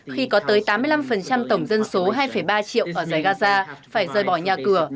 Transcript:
khi có tới tám mươi năm tổng dân số hai ba triệu ở giải gaza phải rời bỏ nhà cửa